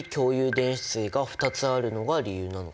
電子対が２つあるのが理由なのかな？